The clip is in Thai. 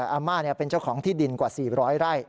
อาม่าเป็นเจ้าของที่ดินกว่า๔๐๐ไร่